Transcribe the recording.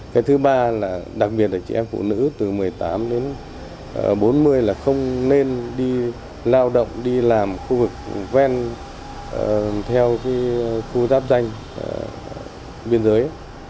cái thứ ba là đặc biệt là chị em phụ nữ từ một mươi tám đến bốn mươi là không nên đi lao động đi làm khu vực ven theo khu giáp danh biên giới